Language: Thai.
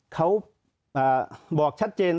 เขาบอกชัดเจน